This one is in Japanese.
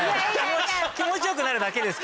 気持ちよくなるだけですから。